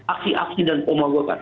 aksi aksi dan pemogokan